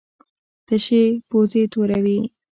تشې پوزې توروي.